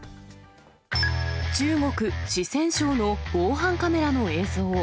中国・四川省の防犯カメラの映像。